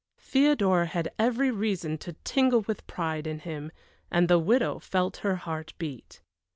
Theodora had every reason to tingle with pride in him, and the widow felt her heart beat.